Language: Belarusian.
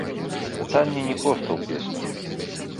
Пытанне не проста ў песнях.